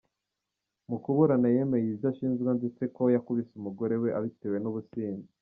Mu kuburana, yemeye ibyo ashinjwa ndetse ko yakubise umugore we abitewe n’ubusinzi.